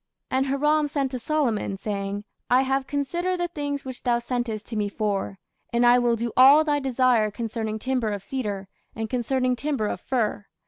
And Hiram sent to Solomon, saying, I have considered the things which thou sentest to me for: and I will do all thy desire concerning timber of cedar, and concerning timber of fir.